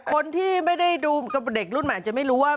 คนที่ไม่ได้ดูกับเด็กรุ่นใหม่อาจจะไม่รู้ว่า